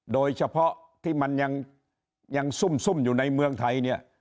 โดยเฉพาะที่มันยังซุ่มอยู่ในเมืองไทยเนี่ย